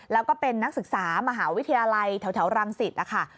แล้วก็เป็นนักศึกษามหาวิทยาลัยแถวรังสิตนะคะ